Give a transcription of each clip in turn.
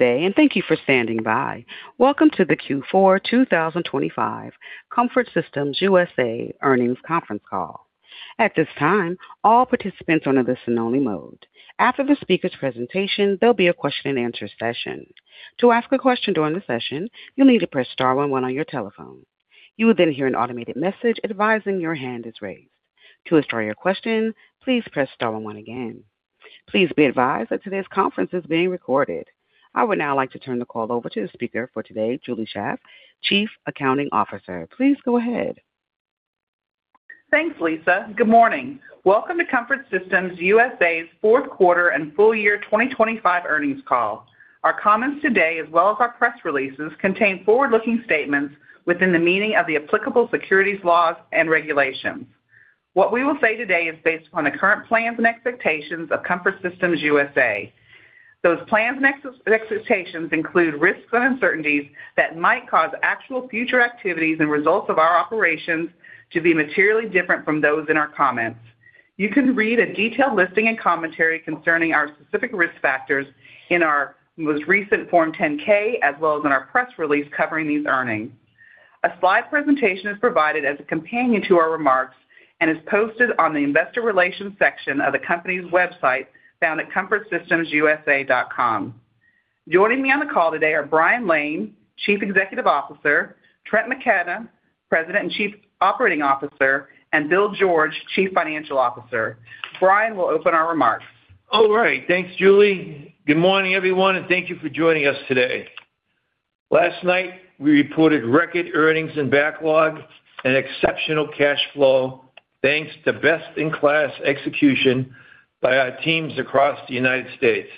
Today, and thank you for standing by. Welcome to the Q4 2025 Comfort Systems USA earnings conference call. At this time, all participants are on a listen-only mode. After the speaker's presentation, there'll be a question-and-answer session. To ask a question during the session, you'll need to press star one one on your telephone. You will then hear an automated message advising your hand is raised. To withdraw your question, please press star one one again. Please be advised that today's conference is being recorded. I would now like to turn the call over to the speaker for today, Julie Shaeff, Chief Accounting Officer. Please go ahead. Thanks, Lisa. Good morning. Welcome to Comfort Systems USA's fourth quarter and full year 2025 earnings call. Our comments today, as well as our press releases, contain forward-looking statements within the meaning of the applicable securities laws and regulations. What we will say today is based upon the current plans and expectations of Comfort Systems USA. Those plans and expectations include risks and uncertainties that might cause actual future activities and results of our operations to be materially different from those in our comments. You can read a detailed listing and commentary concerning our specific risk factors in our most recent Form 10-K, as well as in our press release covering these earnings. A slide presentation is provided as a companion to our remarks and is posted on the Investor Relations section of the company's website, found at comfortsystemsusa.com. Joining me on the call today are Brian Lane, Chief Executive Officer, Trent McKenna, President and Chief Operating Officer, and Bill George, Chief Financial Officer. Brian will open our remarks. All right. Thanks, Julie. Good morning, everyone, and thank you for joining us today. Last night, we reported record earnings and backlog and exceptional cash flow, thanks to best-in-class execution by our teams across the United States.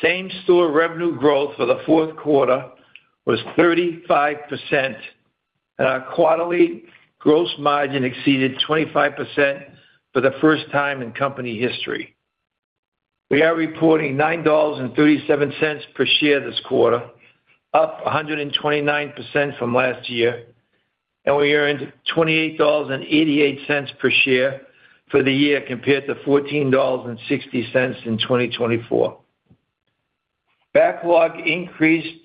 Same-store revenue growth for the fourth quarter was 35%, and our quarterly gross margin exceeded 25% for the first time in company history. We are reporting $9.37 per share this quarter, up 129% from last year, and we earned $28.88 per share for the year, compared to $14.60 in 2024. Backlog increased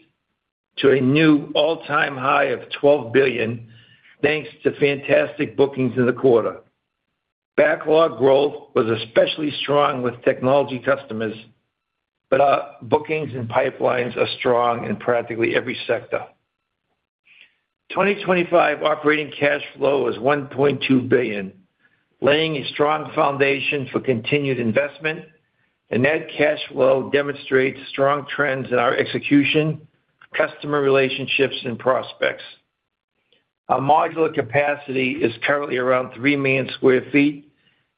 to a new all-time high of $12 billion, thanks to fantastic bookings in the quarter. Backlog growth was especially strong with technology customers, but our bookings and pipelines are strong in practically every sector. 2025 operating cash flow was $1.2 billion, laying a strong foundation for continued investment, and net cash flow demonstrates strong trends in our execution, customer relationships, and prospects. Our modular capacity is currently around 3 million sq ft,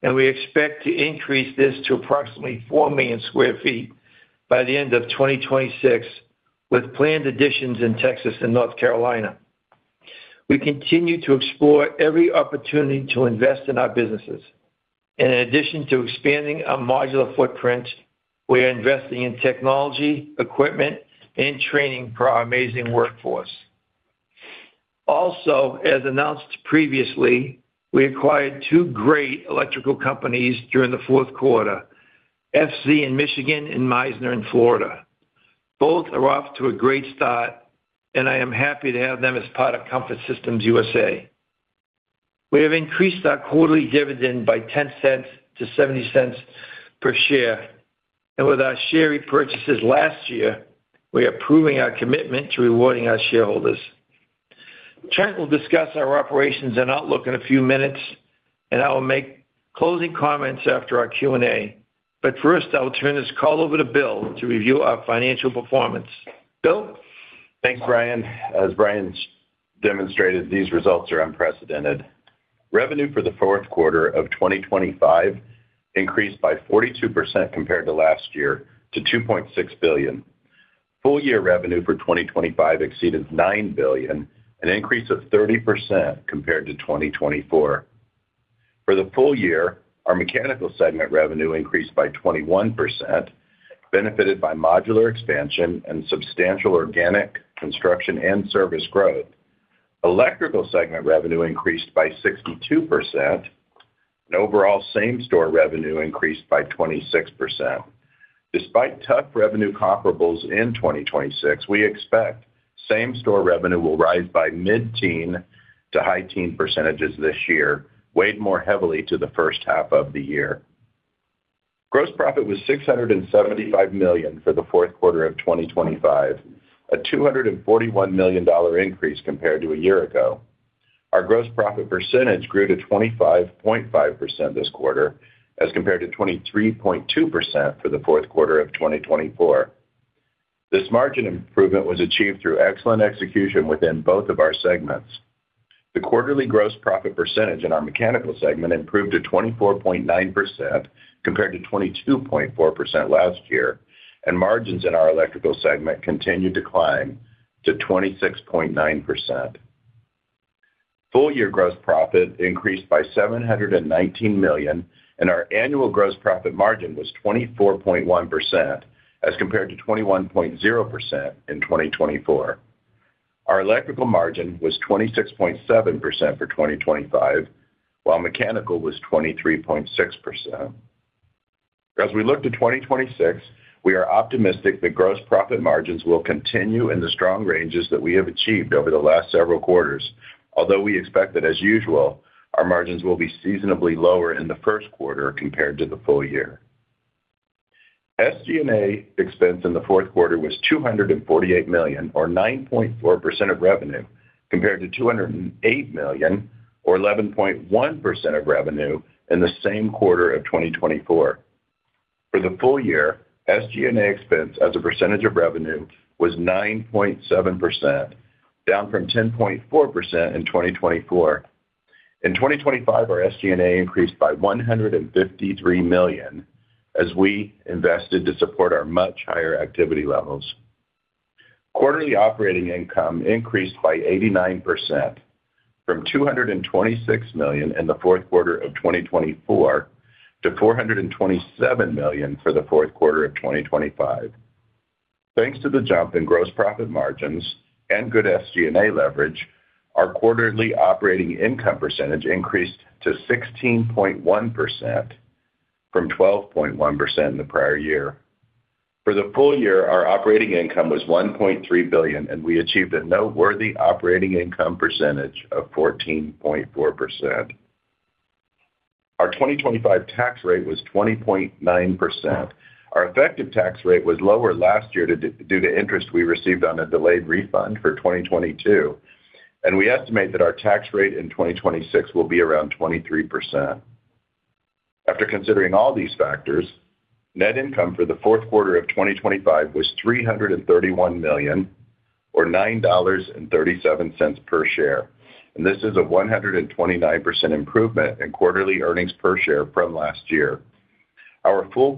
and we expect to increase this to approximately 4 million sq ft by the end of 2026, with planned additions in Texas and North Carolina. We continue to explore every opportunity to invest in our businesses. In addition to expanding our modular footprint, we are investing in technology, equipment, and training for our amazing workforce. Also, as announced previously, we acquired two great electrical companies during the fourth quarter, FC in Michigan and Meisner in Florida. Both are off to a great start, and I am happy to have them as part of Comfort Systems USA. We have increased our quarterly dividend by $0.10 to $0.70 per share, and with our share repurchases last year, we are proving our commitment to rewarding our shareholders. Trent will discuss our operations and outlook in a few minutes, and I will make closing comments after our Q&A. But first, I will turn this call over to Bill to review our financial performance. Bill? Thanks, Brian. As Brian's demonstrated, these results are unprecedented. Revenue for the fourth quarter of 2025 increased by 42% compared to last year, to $2.6 billion. Full year revenue for 2025 exceeded $9 billion, an increase of 30% compared to 2024. For the full year, our Mechanical segment revenue increased by 21%, benefited by modular expansion and substantial organic construction and service growth. Electrical segment revenue increased by 62%, and overall same-store revenue increased by 26%. Despite tough revenue comparables in 2026, we expect same-store revenue will rise by mid-teens to high-teens percent this year, weighed more heavily to the first half of the year. Gross profit was $675 million for the fourth quarter of 2025, a $241 million increase compared to a year ago. Our gross profit percentage grew to 25.5% this quarter, as compared to 23.2% for the fourth quarter of 2024. This margin improvement was achieved through excellent execution within both of our segments. The quarterly gross profit percentage in our Mechanical segment improved to 24.9%, compared to 22.4% last year, and margins in our Electrical segment continued to climb to 26.9%. Full year gross profit increased by $719 million, and our annual gross profit margin was 24.1%, as compared to 21.0% in 2024. Our Electrical margin was 26.7% for 2025, while Mechanical was 23.6%. As we look to 2026, we are optimistic that gross profit margins will continue in the strong ranges that we have achieved over the last several quarters, although we expect that, as usual, our margins will be seasonally lower in the first quarter compared to the full year. SG&A expense in the fourth quarter was $248 million, or 9.4% of revenue, compared to $208 million, or 11.1% of revenue, in the same quarter of 2024. For the full year, SG&A expense as a percentage of revenue was 9.7%, down from 10.4% in 2024. In 2025, our SG&A increased by $153 million as we invested to support our much higher activity levels. Quarterly operating income increased by 89%, from $226 million in the fourth quarter of 2024 to $427 million for the fourth quarter of 2025. Thanks to the jump in gross profit margins and good SG&A leverage, our quarterly operating income percentage increased to 16.1% from 12.1% in the prior year. For the full year, our operating income was $1.3 billion, and we achieved a noteworthy operating income percentage of 14.4%. Our 2025 tax rate was 20.9%. Our effective tax rate was lower last year due to interest we received on a delayed refund for 2022, and we estimate that our tax rate in 2026 will be around 23%. After considering all these factors, net income for the fourth quarter of 2025 was $331 million, or $9.37 per share, and this is a 129% improvement in quarterly earnings per share from last year. Our full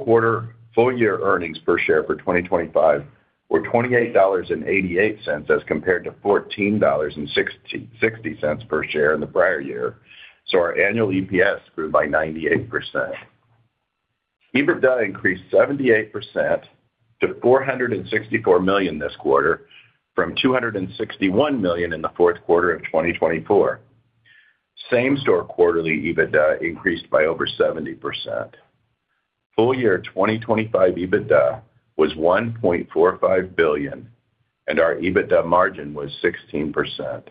year earnings per share for 2025 were $28.88, as compared to $14.66 per share in the prior year, so our annual EPS grew by 98%. EBITDA increased 78% to $464 million this quarter, from $261 million in the fourth quarter of 2024. Same-store quarterly EBITDA increased by over 70%. Full year 2025 EBITDA was $1.45 billion, and our EBITDA margin was 16%.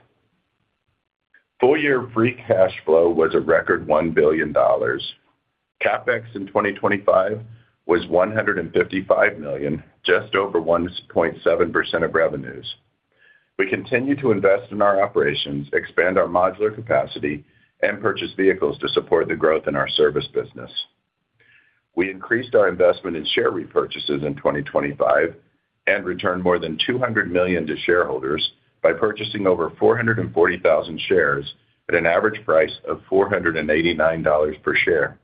Full year free cash flow was a record $1 billion. CapEx in 2025 was $155 million, just over 1.7% of revenues. We continue to invest in our operations, expand our modular capacity, and purchase vehicles to support the growth in our service business. We increased our investment in share repurchases in 2025 and returned more than $200 million to shareholders by purchasing over 440,000 shares at an average price of $489 per share.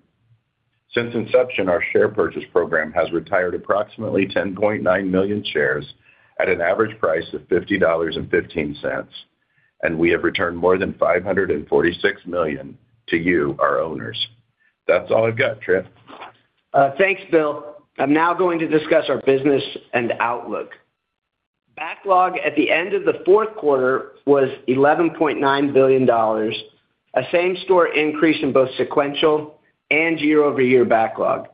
Since inception, our share purchase program has retired approximately 10.9 million shares at an average price of $50.15, and we have returned more than $546 million to you, our owners. That's all I've got, Trent. Thanks, Bill. I'm now going to discuss our business and outlook. Backlog at the end of the fourth quarter was $11.9 billion, a same-store increase in both sequential and year-over-year backlog.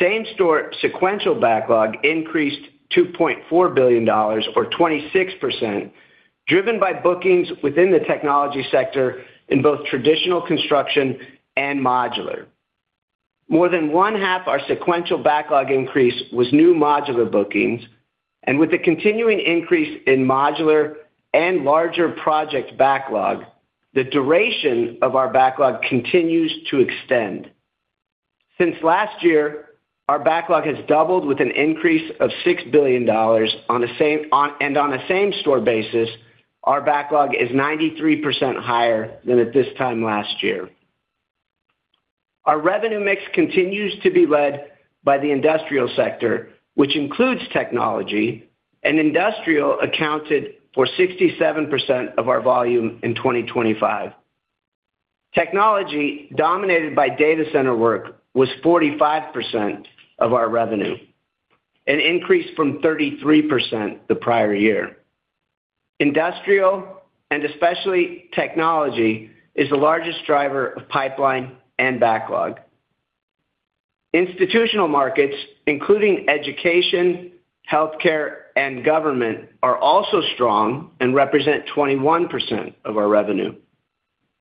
Same-store sequential backlog increased to $0.4 billion, or 26%, driven by bookings within the technology sector in both traditional construction and modular. More than one-half our sequential backlog increase was new modular bookings, and with the continuing increase in modular and larger project backlog, the duration of our backlog continues to extend. Since last year, our backlog has doubled with an increase of $6 billion and on a same-store basis, our backlog is 93% higher than at this time last year. Our revenue mix continues to be led by the industrial sector, which includes technology, and industrial accounted for 67% of our volume in 2025. Technology, dominated by data center work, was 45% of our revenue, an increase from 33% the prior year. Industrial, and especially technology, is the largest driver of pipeline and backlog. Institutional markets, including education, healthcare, and government, are also strong and represent 21% of our revenue.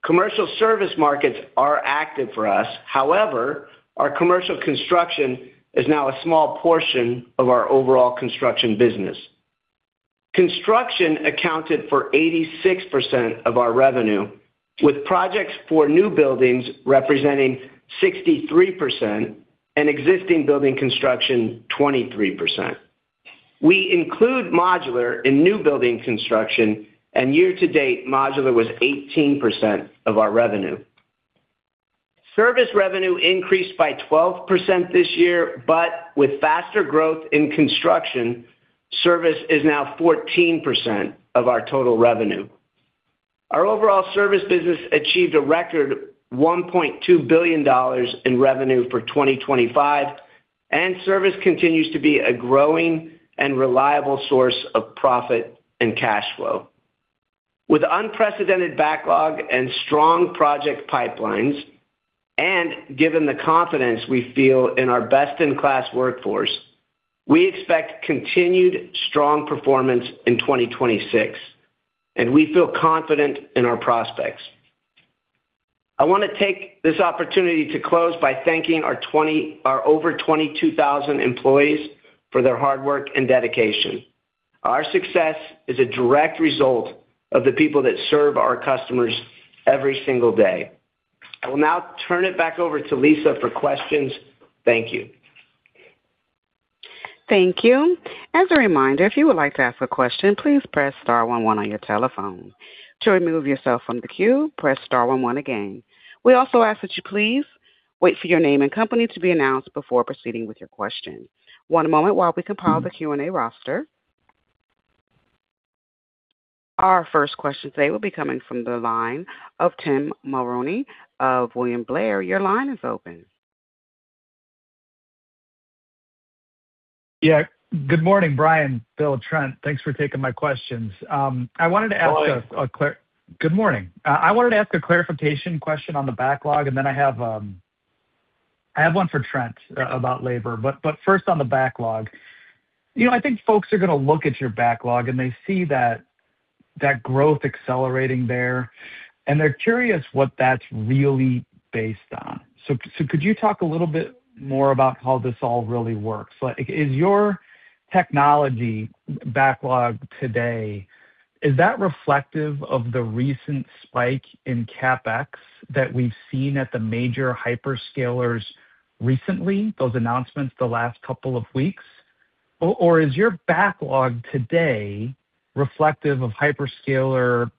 Commercial service markets are active for us. However, our commercial construction is now a small portion of our overall construction business. Construction accounted for 86% of our revenue, with projects for new buildings representing 63% and existing building construction, 23%. We include modular in new building construction, and year-to-date, modular was 18% of our revenue. Service revenue increased by 12% this year, but with faster growth in construction, service is now 14% of our total revenue. Our overall service business achieved a record $1.2 billion in revenue for 2025, and service continues to be a growing and reliable source of profit and cash flow. With unprecedented backlog and strong project pipelines, and given the confidence we feel in our best-in-class workforce, we expect continued strong performance in 2026, and we feel confident in our prospects. I want to take this opportunity to close by thanking our over 22,000 employees for their hard work and dedication. Our success is a direct result of the people that serve our customers every single day. I will now turn it back over to Lisa for questions. Thank you. Thank you. As a reminder, if you would like to ask a question, please press star one one on your telephone. To remove yourself from the queue, press star one one again. We also ask that you please wait for your name and company to be announced before proceeding with your question. One moment while we compile the Q&A roster. Our first question today will be coming from the line of Tim Mulrooney of William Blair. Your line is open. Yeah. Good morning, Brian, Bill, Trent. Thanks for taking my questions. I wanted to ask a clear- Good morning. I wanted to ask a clarification question on the backlog, and then I have, I have one for Trent about labor. But first, on the backlog. You know, I think folks are going to look at your backlog, and they see that growth accelerating there, and they're curious what that's really based on. So could you talk a little bit more about how this all really works? Like, is your technology backlog today, is that reflective of the recent spike in CapEx that we've seen at the major hyperscalers recently, those announcements the last couple of weeks? Or is your backlog today reflective of hyperscaler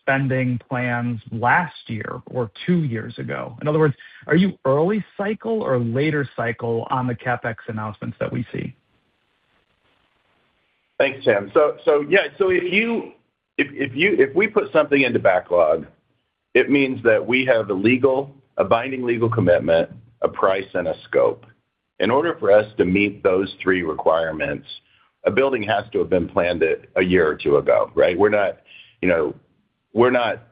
spending plans last year or two years ago? In other words, are you early cycle or later cycle on the CapEx announcements that we see? Thanks, Tim. So, yeah, so if you—if we put something into backlog, it means that we have a legal, a binding legal commitment, a price, and a scope. In order for us to meet those three requirements, a building has to have been planned a year or two ago, right? We're not, you know, we're not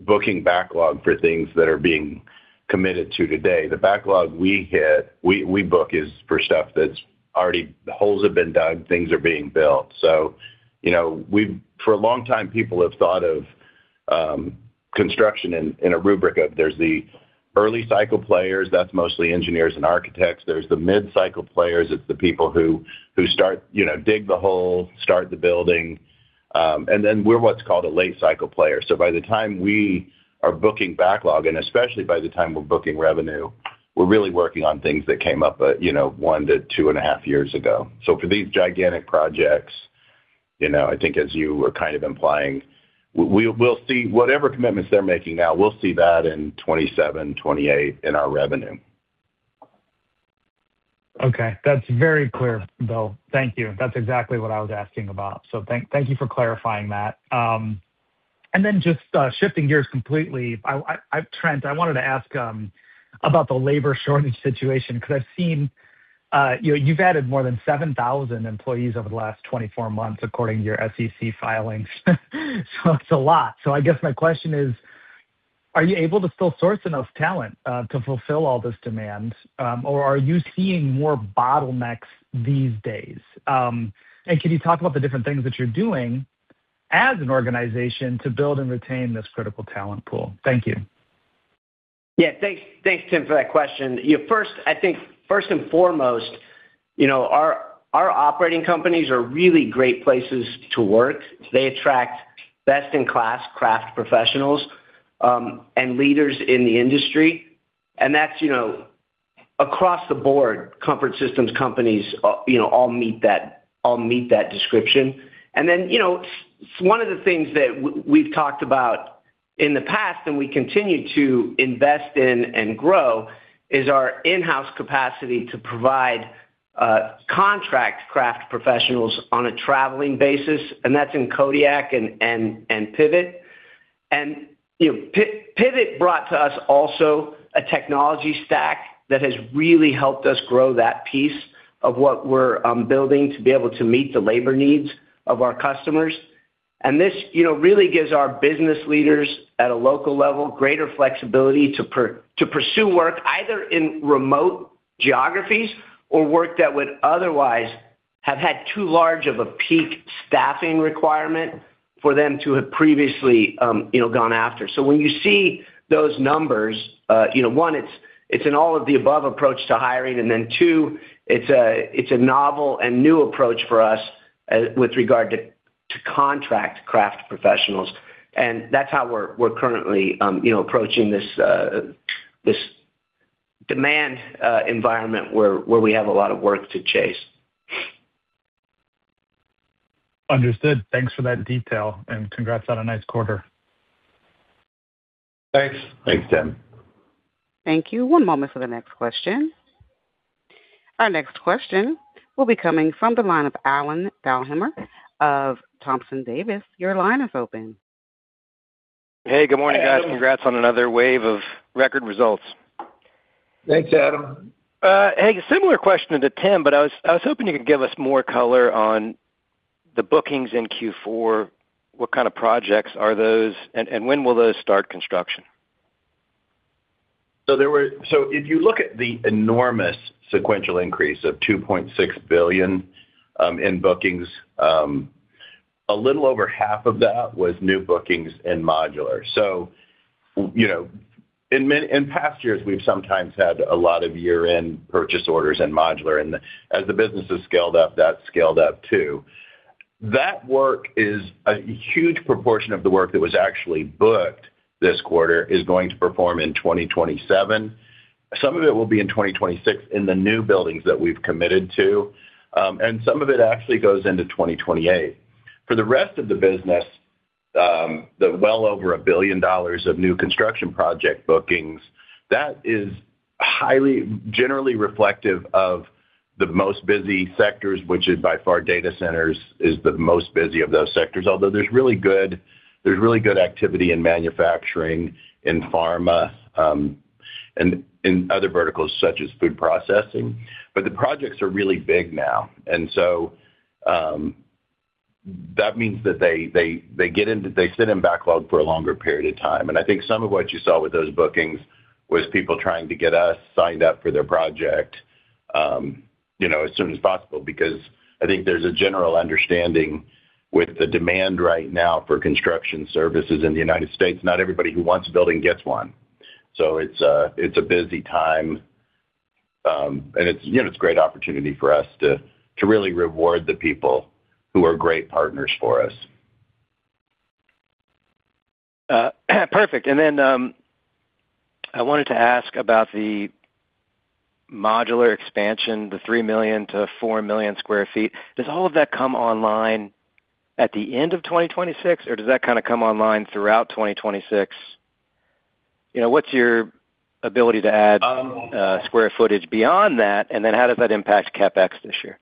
booking backlog for things that are being committed to today. The backlog we book is for stuff that's already... The holes have been dug, things are being built. So you know, we've for a long time, people have thought of construction in a rubric of there's the early cycle players, that's mostly engineers and architects. There's the mid-cycle players, it's the people who start, you know, dig the hole, start the building. And then we're what's called a late-cycle player. So by the time we are booking backlog, and especially by the time we're booking revenue, we're really working on things that came up, you know, 1-2.5 years ago. So for these gigantic projects, you know, I think as you were kind of implying, we'll see whatever commitments they're making now, we'll see that in 2027, 2028 in our revenue. Okay. That's very clear, Bill. Thank you. That's exactly what I was asking about. So thank you for clarifying that. And then just shifting gears completely, Trent, I wanted to ask about the labor shortage situation, because I've seen, you know, you've added more than 7,000 employees over the last 24 months, according to your SEC filings. So it's a lot. So I guess my question is, are you able to still source enough talent to fulfill all this demand? Or are you seeing more bottlenecks these days? And can you talk about the different things that you're doing as an organization to build and retain this critical talent pool? Thank you. Yeah, thanks. Thanks, Tim, for that question. You know, first, I think first and foremost, you know, our operating companies are really great places to work. They attract best-in-class craft professionals and leaders in the industry, and that's, you know, across the board, Comfort Systems companies, you know, all meet that, all meet that description. And then, you know, one of the things that we've talked about in the past, and we continue to invest in and grow, is our in-house capacity to provide contract craft professionals on a traveling basis, and that's in Kodiak and Pivot. And, you know, Pivot brought to us also a technology stack that has really helped us grow that piece of what we're building to be able to meet the labor needs of our customers. This, you know, really gives our business leaders at a local level greater flexibility to pursue work, either in remote geographies or work that would otherwise have had too large of a peak staffing requirement for them to have previously, you know, gone after. So when you see those numbers, you know, one, it's an all-of-the-above approach to hiring, and then two, it's a novel and new approach for us, with regard to contract craft professionals. And that's how we're currently, you know, approaching this demand environment where we have a lot of work to chase. Understood. Thanks for that detail, and congrats on a nice quarter. Thanks. Thanks, Tim. Thank you. One moment for the next question. Our next question will be coming from the line of Adam Thalhimer of Thompson Davis. Your line is open. Hey, good morning, guys. Congrats on another wave of record results. Thanks, Adam. Hey, similar question to Tim, but I was hoping you could give us more color on the bookings in Q4. What kind of projects are those, and when will those start construction? So if you look at the enormous sequential increase of $2.6 billion in bookings, a little over half of that was new bookings in modular. So, you know, in past years, we've sometimes had a lot of year-end purchase orders in modular, and as the business has scaled up, that's scaled up too. That work is a huge proportion of the work that was actually booked this quarter, is going to perform in 2027. Some of it will be in 2026 in the new buildings that we've committed to, and some of it actually goes into 2028. For the rest of the business, the well over $1 billion of new construction project bookings, that is highly, generally reflective of the most busy sectors, which is by far data centers is the most busy of those sectors. Although there's really good, there's really good activity in manufacturing, in pharma, and in other verticals such as food processing. But the projects are really big now, and so, that means that they sit in backlog for a longer period of time. And I think some of what you saw with those bookings was people trying to get us signed up for their project, you know, as soon as possible, because I think there's a general understanding with the demand right now for construction services in the United States, not everybody who wants a building gets one. So it's a busy time, and it's, you know, it's a great opportunity for us to really reward the people who are great partners for us. Perfect. And then, I wanted to ask about the modular expansion, the 3 million-4 million sq ft. Does all of that come online at the end of 2026, or does that kind of come online throughout 2026? You know, what's your ability to add, square footage beyond that, and then how does that impact CapEx this year?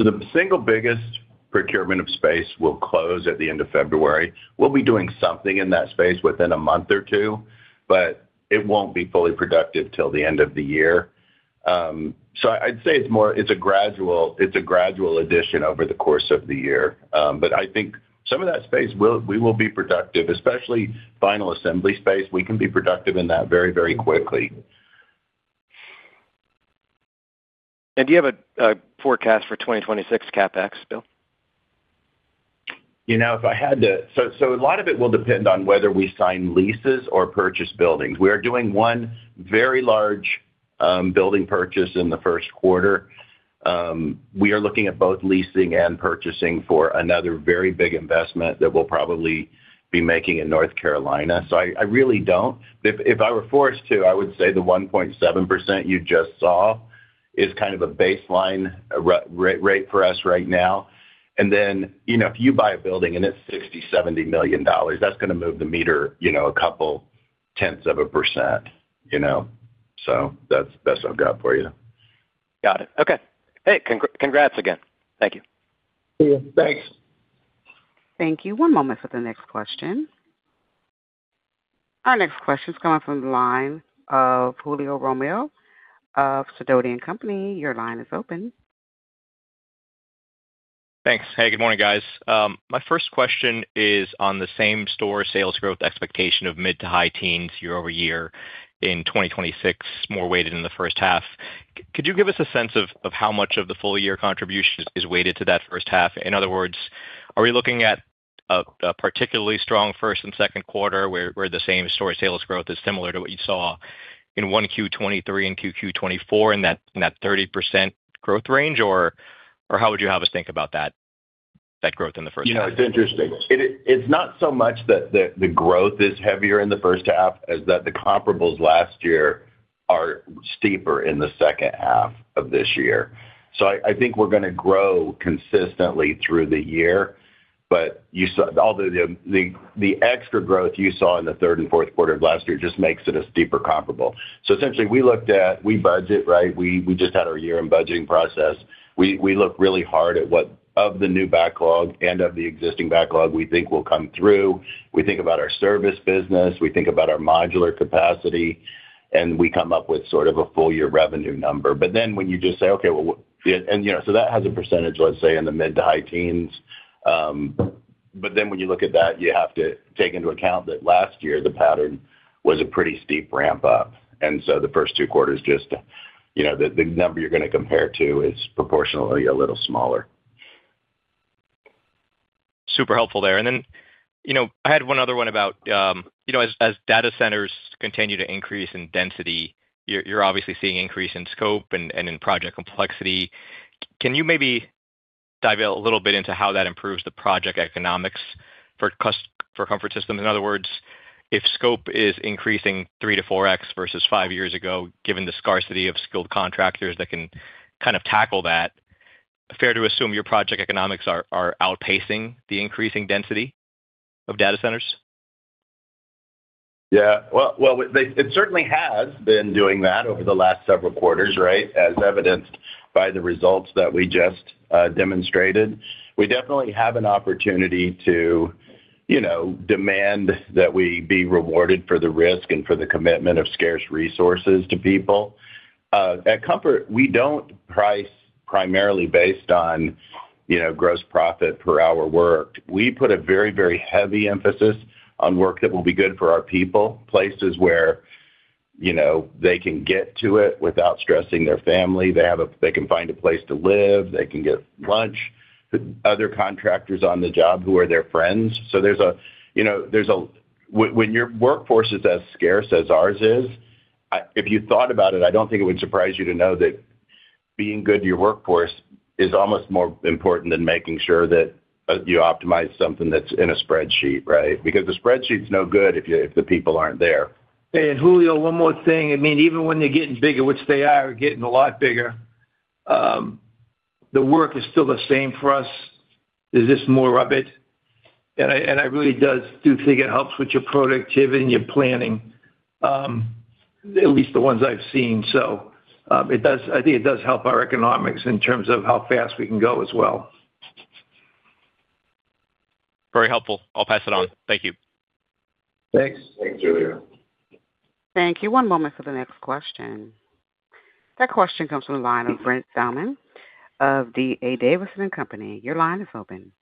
So the single biggest procurement of space will close at the end of February. We'll be doing something in that space within a month or two, but it won't be fully productive till the end of the year. So I'd say it's more, it's a gradual addition over the course of the year. But I think some of that space will, we will be productive, especially final assembly space. We can be productive in that very, very quickly. Do you have a forecast for 2026 CapEx, Bill? You know, if I had to. So a lot of it will depend on whether we sign leases or purchase buildings. We are doing one very large building purchase in the first quarter. We are looking at both leasing and purchasing for another very big investment that we'll probably be making in North Carolina. So I really don't. If I were forced to, I would say the 1.7% you just saw is kind of a baseline rate for us right now. And then, you know, if you buy a building and it's $60 million-$70 million, that's gonna move the meter, you know, a couple tenths of a percent, you know? So that's the best I've got for you. Got it. Okay. Hey, congrats again. Thank you. See you. Thanks. Thank you. One moment for the next question. Our next question is coming from the line of Julio Romero of Sidoti & Company. Your line is open. Thanks. Hey, good morning, guys. My first question is on the same-store sales growth expectation of mid- to high-teens year-over-year in 2026, more weighted in the first half. Could you give us a sense of how much of the full year contribution is weighted to that first half? In other words, are we looking at a particularly strong first and second quarter, where the same-store sales growth is similar to what you saw in Q1 2023 and Q2 2024 in that 30% growth range, or how would you have us think about that growth in the first place? You know, it's interesting. It's not so much that the growth is heavier in the first half as that the comparables last year are steeper in the second half of this year. So I think we're gonna grow consistently through the year, but you saw, although the extra growth you saw in the third and fourth quarter of last year just makes it a steeper comparable. So essentially, we looked at. We budget, right? We just had our year-end budgeting process. We look really hard at what of the new backlog and of the existing backlog we think will come through. We think about our service business, we think about our modular capacity, and we come up with sort of a full year revenue number. But then when you just say, okay, well, you know, so that has a percentage, let's say, in the mid to high teens. But then when you look at that, you have to take into account that last year the pattern was a pretty steep ramp up, and so the first two quarters just, you know, the number you're gonna compare to is proportionally a little smaller. Super helpful there. And then, you know, I had one other one about, you know, as data centers continue to increase in density, you're obviously seeing increase in scope and in project complexity. Can you maybe dive a little bit into how that improves the project economics for Comfort Systems? In other words, if scope is increasing 3-4x versus five years ago, given the scarcity of skilled contractors that can kind of tackle that, fair to assume your project economics are outpacing the increasing density of data centers? Yeah, well, it certainly has been doing that over the last several quarters, right? As evidenced by the results that we just demonstrated. We definitely have an opportunity to, you know, demand that we be rewarded for the risk and for the commitment of scarce resources to people. At Comfort, we don't price primarily based on, you know, gross profit per hour worked. We put a very, very heavy emphasis on work that will be good for our people, places where, you know, they can get to it without stressing their family. They can find a place to live, they can get lunch, other contractors on the job who are their friends. So, you know, when your workforce is as scarce as ours is, if you thought about it, I don't think it would surprise you to know that being good to your workforce is almost more important than making sure that you optimize something that's in a spreadsheet, right? Because the spreadsheet's no good if you, if the people aren't there. Hey, and Julio, one more thing. I mean, even when they're getting bigger, which they are, getting a lot bigger, the work is still the same for us. There's just more of it. And I really do think it helps with your productivity and your planning, at least the ones I've seen. So, it does... I think it does help our economics in terms of how fast we can go as well. Very helpful. I'll pass it on. Thank you. Thanks, Julio. Thank you. One moment for the next question. That question comes from the line of Brent Thielman of D.A. Davidson and Company. Your line is open.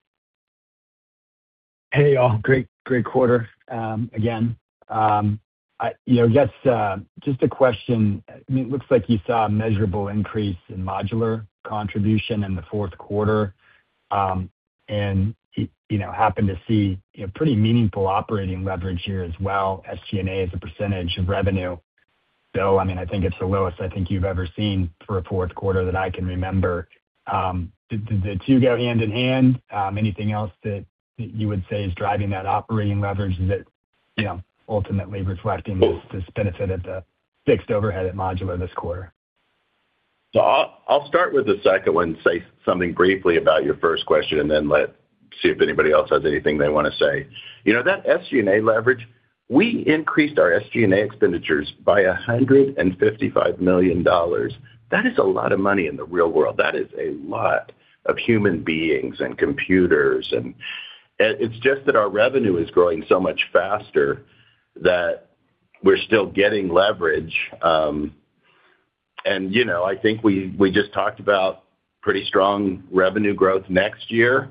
Hey, all. Great, great quarter. Again, you know, I guess, just a question. I mean, it looks like you saw a measurable increase in modular contribution in the fourth quarter, and you know, happened to see, you know, pretty meaningful operating leverage here as well as G&A as a percentage of revenue. So, I mean, I think it's the lowest I think you've ever seen for a fourth quarter that I can remember. Did the two go hand-in-hand? Anything else that you would say is driving that operating leverage that, you know, ultimately reflecting this benefit of the fixed overhead at modular this quarter? So I'll start with the second one, say something briefly about your first question, and then let me see if anybody else has anything they wanna say. You know, that SG&A leverage, we increased our SG&A expenditures by $155 million. That is a lot of money in the real world. That is a lot of human beings and computers, and it's just that our revenue is growing so much faster that we're still getting leverage. And, you know, I think we just talked about pretty strong revenue growth next year.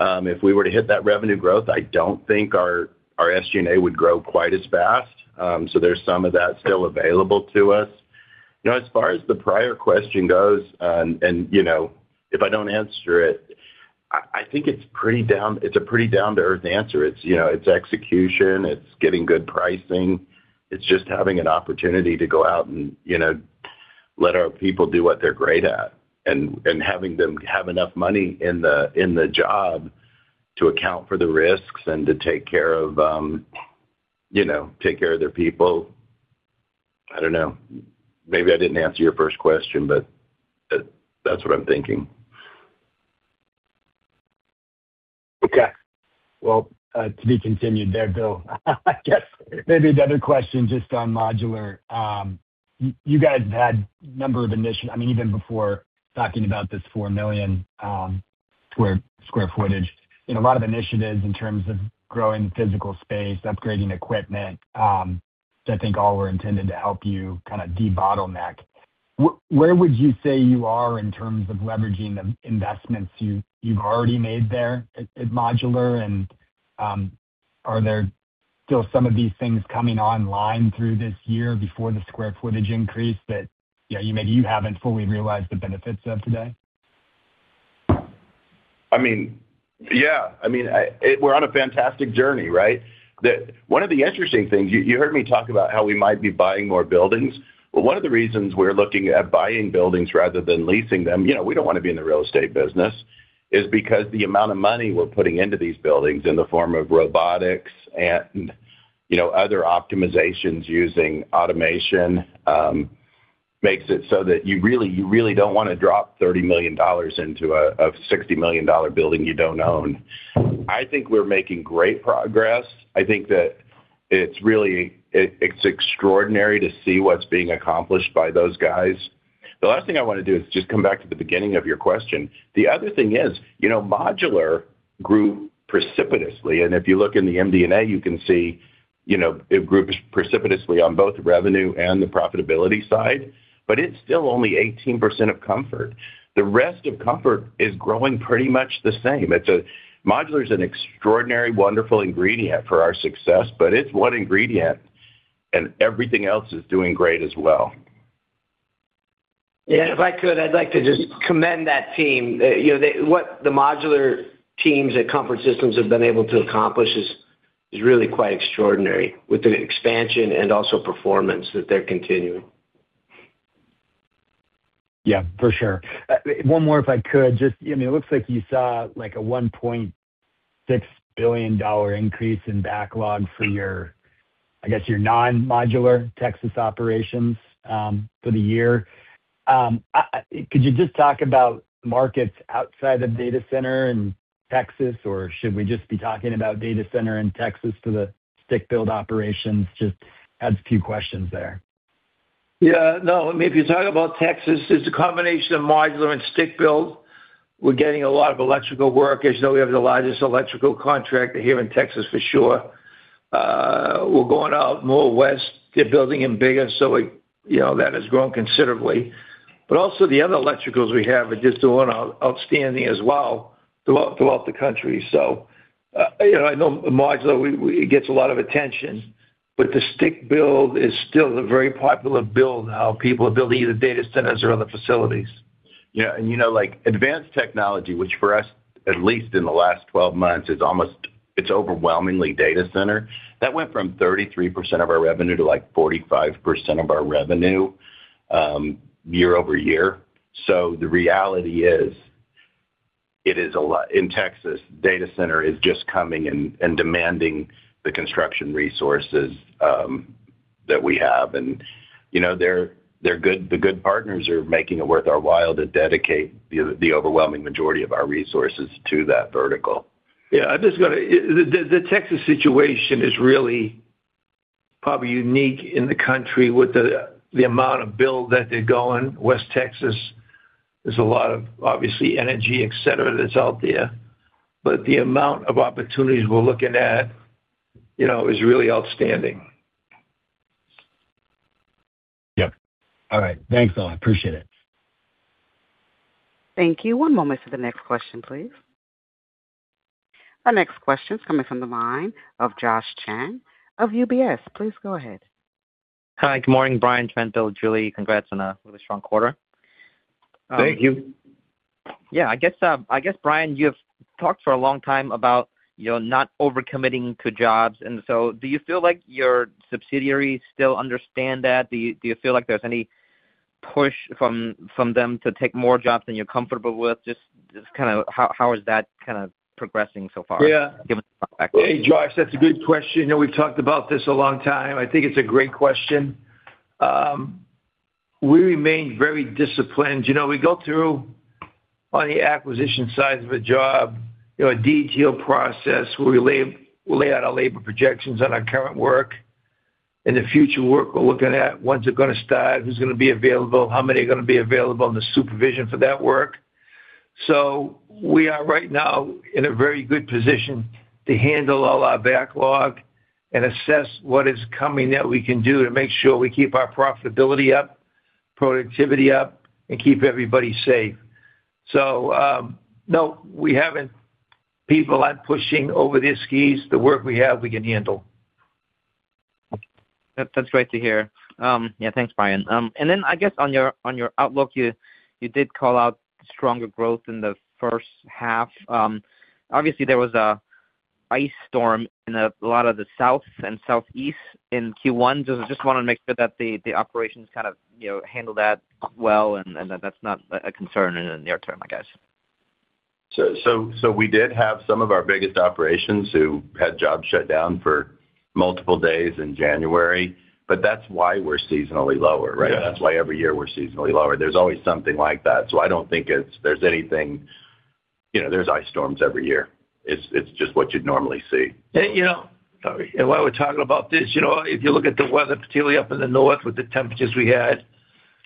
If we were to hit that revenue growth, I don't think our SG&A would grow quite as fast. So there's some of that still available to us. You know, as far as the prior question goes, and you know, if I don't answer it, I think it's pretty down-to-earth answer. It's, you know, it's execution, it's getting good pricing. It's just having an opportunity to go out and, you know, let our people do what they're great at, and having them have enough money in the job to account for the risks and to take care of, you know, take care of their people. I don't know. Maybe I didn't answer your first question, but that's what I'm thinking. Okay. Well, to be continued there, Bill. I guess maybe the other question, just on modular. You guys have had number of initiatives, I mean, even before talking about this 4 million square footage, and a lot of initiatives in terms of growing physical space, upgrading equipment. I think all were intended to help you kinda debottleneck. Where would you say you are in terms of leveraging the investments you've already made there at modular? And, are there still some of these things coming online through this year before the square footage increase that, you know, maybe you haven't fully realized the benefits of today? I mean, yeah. I mean, we're on a fantastic journey, right? The one of the interesting things, you heard me talk about how we might be buying more buildings. Well, one of the reasons we're looking at buying buildings rather than leasing them, you know, we don't want to be in the real estate business, is because the amount of money we're putting into these buildings in the form of robotics and, you know, other optimizations using automation, makes it so that you really don't wanna drop $30 million into a $60 million building you don't own. I think we're making great progress. I think that it's really, it's extraordinary to see what's being accomplished by those guys. The last thing I wanna do is just come back to the beginning of your question. The other thing is, you know, modular grew precipitously, and if you look in the MD&A, you can see, you know, it grew precipitously on both revenue and the profitability side, but it's still only 18% of Comfort. The rest of Comfort is growing pretty much the same. It's modular is an extraordinary, wonderful ingredient for our success, but it's one ingredient, and everything else is doing great as well. Yeah, if I could, I'd like to just commend that team. You know, they, what the modular teams at Comfort Systems have been able to accomplish is really quite extraordinary, with the expansion and also performance that they're continuing. Yeah, for sure. One more, if I could. Just, I mean, it looks like you saw, like, a $1.6 billion increase in backlog for your, I guess, your non-modular Texas operations, for the year. Could you just talk about markets outside of data center in Texas, or should we just be talking about data center in Texas for the stick build operations? Just ask a few questions there. Yeah, no, I mean, if you're talking about Texas, it's a combination of modular and stick build. We're getting a lot of electrical work. As you know, we have the largest electrical contractor here in Texas, for sure. We're going out more west, they're building in bigger, so, you know, that has grown considerably. But also the other electricals we have are just doing outstanding as well, throughout the country. So, you know, I know modular, it gets a lot of attention, but the stick build is still a very popular build, how people are building either data centers or other facilities. Yeah, and, you know, like, advanced technology, which for us, at least in the last 12 months, is almost, it's overwhelmingly data center. That went from 33% of our revenue to, like, 45% of our revenue year-over-year. So the reality is, it is a lot. In Texas, data center is just coming and demanding the construction resources that we have. And, you know, they're good, the good partners are making it worth our while to dedicate the overwhelming majority of our resources to that vertical. Yeah, I'm just gonna... The Texas situation is really probably unique in the country with the amount of build that they're going. West Texas, there's a lot of, obviously, energy, et cetera, that's out there. But the amount of opportunities we're looking at, you know, is really outstanding. Yeah. All right. Thanks, all. I appreciate it. Thank you. One moment for the next question, please. Our next question is coming from the line of Josh Chan of UBS. Please go ahead. Hi, good morning, Brian, Trent, Bill, Julie. Congrats on a really strong quarter. Thank you. Yeah, I guess, I guess, Brian, you have talked for a long time about, you know, not overcommitting to jobs, and so do you feel like your subsidiaries still understand that? Do you, do you feel like there's any push from, from them to take more jobs than you're comfortable with? Just, just kind of how, how is that kind of progressing so far? Yeah. Hey, Josh, that's a good question. You know, we've talked about this a long time. I think it's a great question. We remain very disciplined. You know, we go through, on the acquisition side of a job, you know, a detailed process where we lay out our labor projections on our current work and the future work we're looking at. When's it going to start? Who's going to be available? How many are going to be available, and the supervision for that work. So we are right now in a very good position to handle all our backlog and assess what is coming that we can do to make sure we keep our profitability up, productivity up, and keep everybody safe. So, no, we haven't people out pushing over their skis. The work we have, we can handle. That's great to hear. Yeah, thanks, Brian. And then I guess on your outlook, you did call out stronger growth in the first half. Obviously, there was an ice storm in a lot of the south and southeast in Q1. Just want to make sure that the operations kind of you know handled that well and that that's not a concern in the near term, I guess. So we did have some of our biggest operations who had jobs shut down for multiple days in January, but that's why we're seasonally lower, right? Yeah. That's why every year we're seasonally lower. There's always something like that, so I don't think it's anything... You know, there's ice storms every year. It's just what you'd normally see. You know, sorry, and while we're talking about this, you know, if you look at the weather, particularly up in the north with the temperatures we had,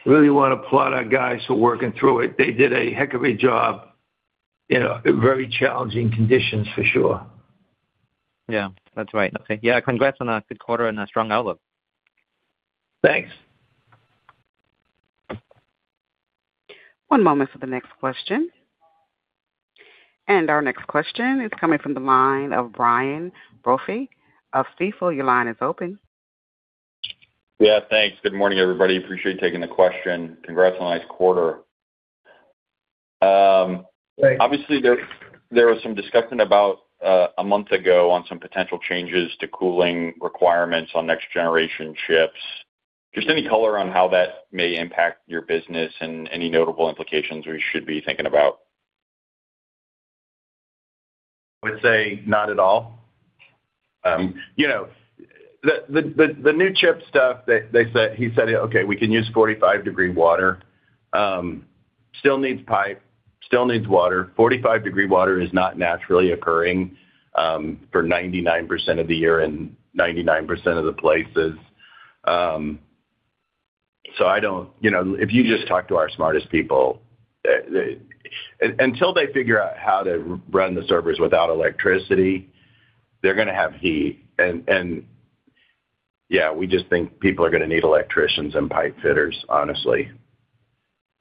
really want to applaud our guys for working through it. They did a heck of a job, you know, in very challenging conditions for sure. Yeah, that's right. Okay. Yeah, congrats on a good quarter and a strong outlook. Thanks. One moment for the next question. Our next question is coming from the line of Brian Brophy of Stifel. Your line is open. Yeah, thanks. Good morning, everybody. Appreciate you taking the question. Congrats on a nice quarter. Thanks. Obviously, there was some discussion about a month ago on some potential changes to cooling requirements on next-generation chips. Just any color on how that may impact your business and any notable implications we should be thinking about? I would say not at all. You know, the new chip stuff that they said—he said, "Okay, we can use 45-degree water." Still needs pipe, still needs water. 45-degree water is not naturally occurring for 99% of the year and 99% of the places. So I don't... You know, if you just talk to our smartest people, until they figure out how to run the servers without electricity, they're gonna have heat. And, yeah, we just think people are gonna need electricians and pipe fitters, honestly.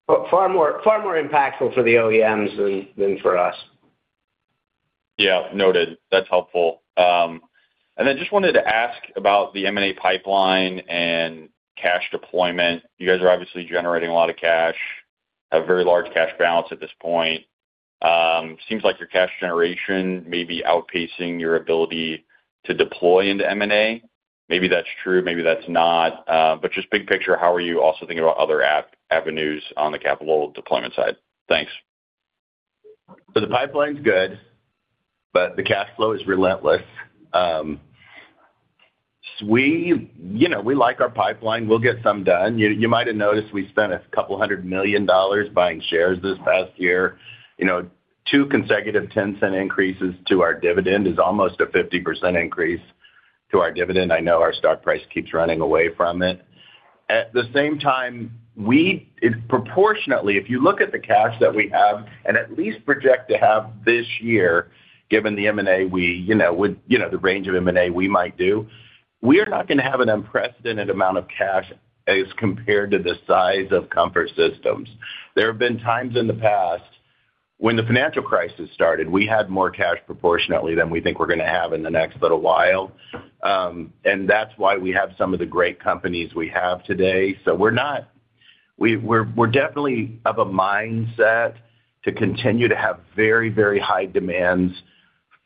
Far more, far more impactful for the OEMs than for us. Yeah, noted. That's helpful. And then just wanted to ask about the M&A pipeline and cash deployment. You guys are obviously generating a lot of cash, have very large cash balance at this point. Seems like your cash generation may be outpacing your ability to deploy into M&A. Maybe that's true, maybe that's not. But just big picture, how are you also thinking about other avenues on the capital deployment side? Thanks. So the pipeline's good, but the cash flow is relentless. We, you know, we like our pipeline. We'll get some done. You might have noticed we spent $200 million buying shares this past year. You know, two consecutive $0.10 increases to our dividend is almost a 50% increase to our dividend. I know our stock price keeps running away from it. At the same time, we proportionately, if you look at the cash that we have and at least project to have this year, given the M&A, we, you know, would, you know, the range of M&A we might do, we're not gonna have an unprecedented amount of cash as compared to the size of Comfort Systems. There have been times in the past when the financial crisis started, we had more cash proportionately than we think we're gonna have in the next little while. And that's why we have some of the great companies we have today. So we're not. We're definitely of a mindset to continue to have very, very high demands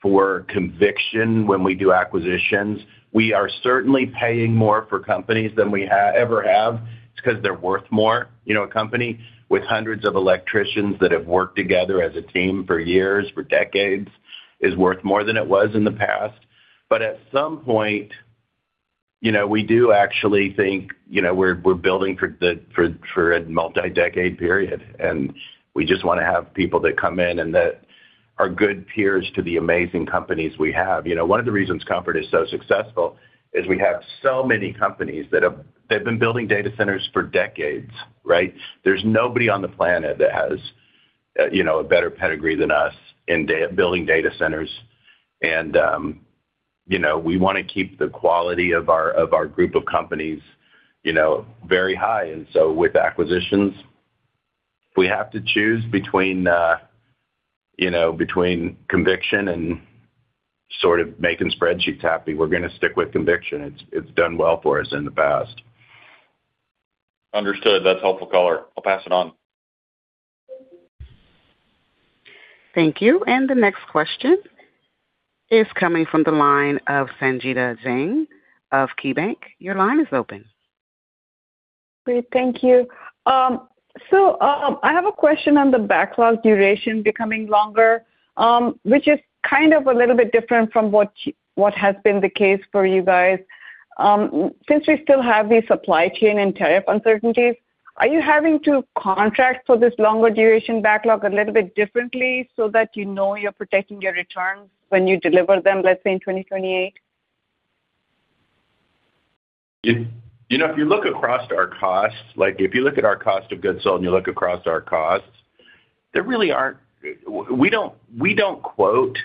for conviction when we do acquisitions. We are certainly paying more for companies than we ever have. It's because they're worth more. You know, a company with hundreds of electricians that have worked together as a team for years, for decades, is worth more than it was in the past. But at some point, you know, we do actually think, you know, we're building for a multi-decade period, and we just wanna have people that come in and that are good peers to the amazing companies we have. You know, one of the reasons Comfort is so successful is we have so many companies that have been building data centers for decades, right? There's nobody on the planet that has, you know, a better pedigree than us in data building data centers. And, you know, we wanna keep the quality of our group of companies, you know, very high. And so with acquisitions, if we have to choose between, you know, between conviction and sort of making spreadsheets happy, we're gonna stick with conviction. It's done well for us in the past. Understood. That's helpful, color. I'll pass it on. Thank you. The next question is coming from the line of Sangita Jain of KeyBanc. Your line is open. Great. Thank you. So, I have a question on the backlog duration becoming longer, which is kind of a little bit different from what has been the case for you guys. Since we still have these supply chain and tariff uncertainties, are you having to contract for this longer duration backlog a little bit differently so that you know you're protecting your returns when you deliver them, let's say, in 2028? You know, if you look across our costs, like if you look at our cost of goods sold and you look across our costs, there really aren't. We don't quote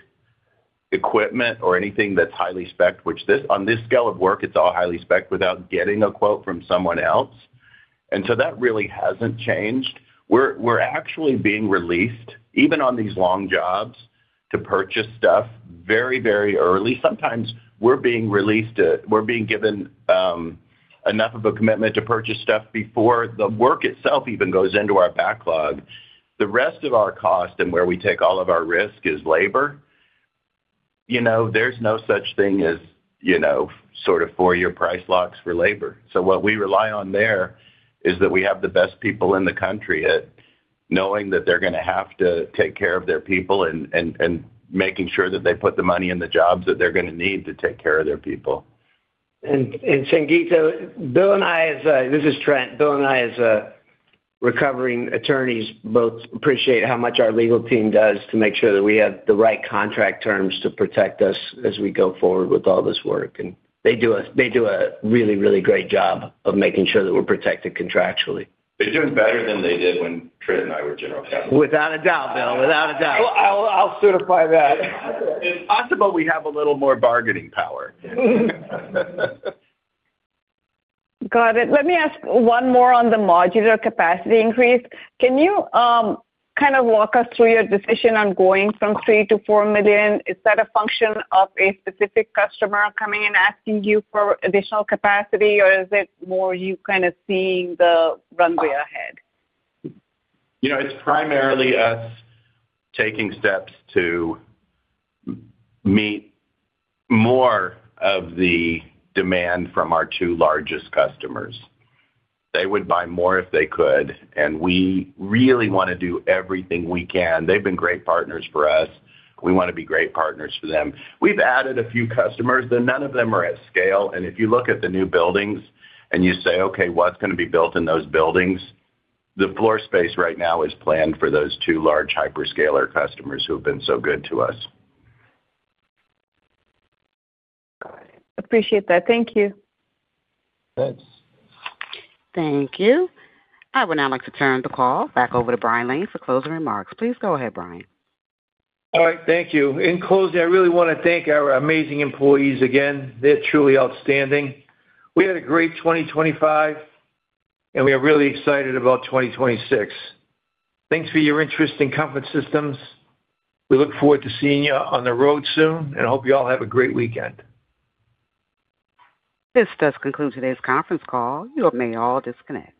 equipment or anything that's highly spec'd, which, on this scale of work, it's all highly spec'd without getting a quote from someone else. And so that really hasn't changed. We're actually being released, even on these long jobs, to purchase stuff very, very early. Sometimes we're being released, we're being given enough of a commitment to purchase stuff before the work itself even goes into our backlog. The rest of our cost and where we take all of our risk is labor. You know, there's no such thing as, you know, sort of four-year price locks for labor. So what we rely on there is that we have the best people in the country at knowing that they're gonna have to take care of their people and making sure that they put the money in the jobs that they're gonna need to take care of their people. And, Sangita, Bill and I. This is Trent. Bill and I, as, recovering attorneys, both appreciate how much our legal team does to make sure that we have the right contract terms to protect us as we go forward with all this work. And they do a, they do a really, really great job of making sure that we're protected contractually. They're doing better than they did when Trent and I were General Counsel. Without a doubt, Bill. Without a doubt. I'll certify that. It's possible we have a little more bargaining power. Got it. Let me ask one more on the modular capacity increase. Can you, kind of walk us through your decision on going from $3 million to $4 million? Is that a function of a specific customer coming in and asking you for additional capacity, or is it more you kind of seeing the runway ahead? You know, it's primarily us taking steps to meet more of the demand from our two largest customers. They would buy more if they could, and we really want to do everything we can. They've been great partners for us. We want to be great partners for them. We've added a few customers, but none of them are at scale. And if you look at the new buildings and you say, "Okay, what's going to be built in those buildings?" The floor space right now is planned for those two large hyperscaler customers who have been so good to us. Got it. Appreciate that. Thank you. Thanks. Thank you. I would now like to turn the call back over to Brian Lane for closing remarks. Please go ahead, Brian. All right, thank you. In closing, I really want to thank our amazing employees again. They're truly outstanding. We had a great 2025, and we are really excited about 2026. Thanks for your interest in Comfort Systems. We look forward to seeing you on the road soon, and I hope you all have a great weekend. This does conclude today's conference call. You may all disconnect.